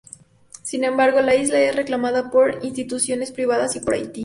Sin embargo, la isla es reclamada por instituciones privadas y por Haití.